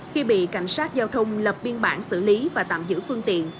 khi bị cảnh sát giao thông lập biên bản xử lý và tạm giữ phương tiện